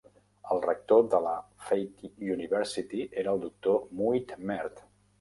El rector de la Fatih University era el doctor Muhit Mert.